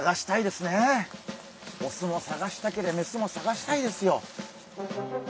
オスも探したけりゃメスも探したいですよ。